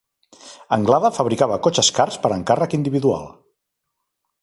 Anglada fabricava cotxes cars per encàrrec individual.